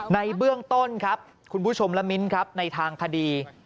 ในเบื้องต้นครับคุณผู้ชมและมิ้นครับในทางคดี